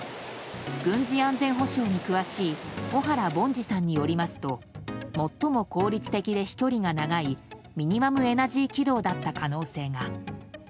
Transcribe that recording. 軍事安全保障に詳しい小原凡司さんによりますと最も効率的で飛距離が長いミニマムエナジー軌道だった可能性が。